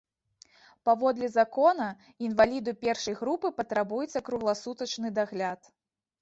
Паводле закона, інваліду першай групы патрабуецца кругласутачны дагляд.